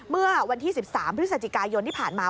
เมื่อวันที่๑๓พฤศจิกายนที่ผ่านมา